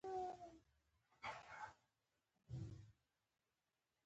او ستا پر اثارو به يې کلدارې را ټولولې.